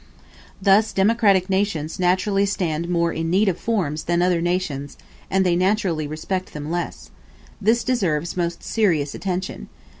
Thus democratic nations naturally stand more in need of forms than other nations, and they naturally respect them less. This deserves most serious attention.